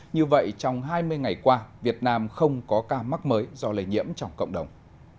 như vậy trong hai mươi ngày qua việt nam không có ca mắc mới do lây nhiễm trong cộng đồng